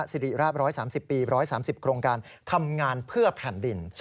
สิริราช๑๓๐ปี๑๓๐โครงการทำงานเพื่อแผ่นดิน